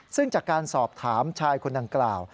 ซึ่งจากการสอบถามชายคนดังกล่าว